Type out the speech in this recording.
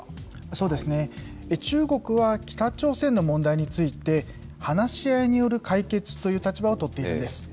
そうですね、中国は北朝鮮の問題について、話し合いによる解決という立場を取っているんです。